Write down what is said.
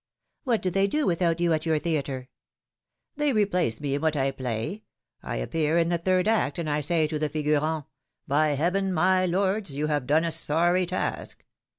What do they do without you at your theatre?" They replace me, in what I play ! I appear in the third act and I say to the figurants :^ By heaven, my lords ! you have done a sorry task